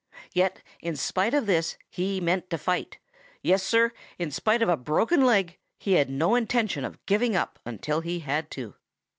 Yet in spite of this, he meant to fight. Yes, Sir, in spite of a broken leg, he had no intention of giving up until he had to.